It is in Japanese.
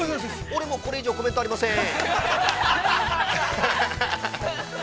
俺もう、これ以上コメントありません。